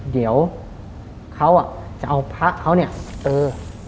เดี๋ยวเขาจะเอาพระเขาไอ้บุญ